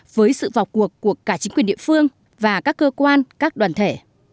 với sự vào cuộc của cả chính quyền địa phương và các cơ quan các đoàn thể